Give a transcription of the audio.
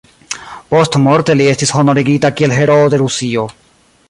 Postmorte li estis honorigita kiel Heroo de Rusio.